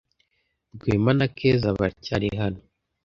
Rwema na Keza baracyari hano.